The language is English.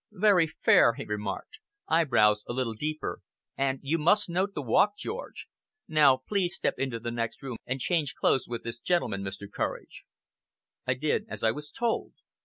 "Very fair," he remarked. "Eyebrows a little deeper, and you must note the walk, George. Now please step into the next room and change clothes with this gentleman, Mr. Courage." I did as I was told.